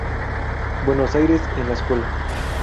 Buenos aires en la escuela.